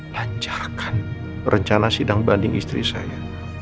lanjarkan perencana sidang banding istri saya